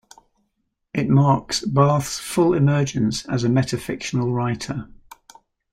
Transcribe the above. It marks Barth's full emergence as a metafictional writer.